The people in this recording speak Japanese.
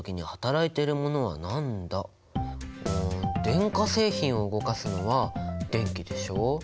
電化製品を動かすのは電気でしょ。